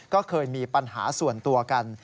ก็เคยมีปัญหาส่วนตัวกัน